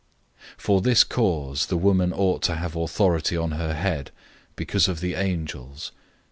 011:010 For this cause the woman ought to have authority on her head, because of the angels.